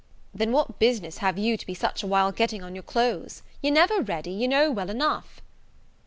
"Then what business have you to be such a while getting on your clothes? You're never ready, you know well enough."